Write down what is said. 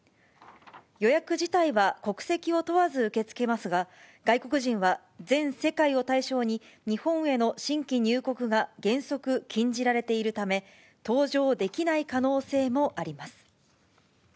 予約自体は国籍を問わず受け付けますが、外国人は全世界を対象に、日本への新規入国が原則禁じられているため、搭乗できない可能性もあります。